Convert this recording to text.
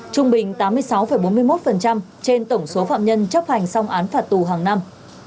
trung bình tám mươi sáu bốn mươi một trên tổng số phạm nhân chấp hành xong án phạt tù hàng năm